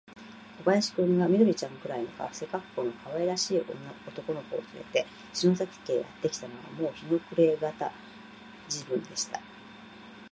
小林君が、緑ちゃんくらいの背かっこうのかわいらしい男の子をつれて、篠崎家へやってきたのは、もう日の暮れがた時分でした。